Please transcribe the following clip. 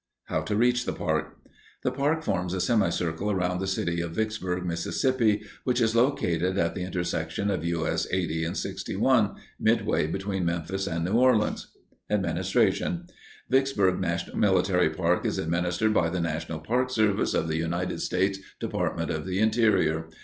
How To Reach the Park The park forms a semicircle around the city of Vicksburg, Miss., which is located at the intersection of U. S. 80 and 61, midway between Memphis and New Orleans. Administration Vicksburg National Military Park is administered by the National Park Service of the United States Department of the Interior.